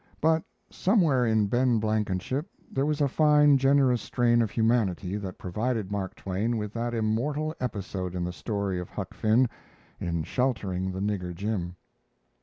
But somewhere in Ben Blankenship there was a fine generous strain of humanity that provided Mark Twain with that immortal episode in the story of Huck Finn in sheltering the Nigger Jim.